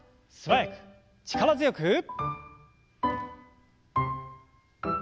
素早く力強く。